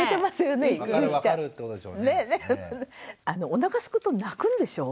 おなかすくと泣くんでしょ？